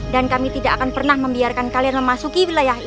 dan kami tidak akan pernah membiarkan kalian memasuki wilayah ini